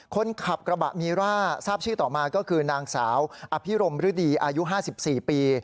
คนขับกระบะมีร่าทราบชื่อต่อมาก็คือนางสาวอภิรมฤดีอายุ๕๔ปี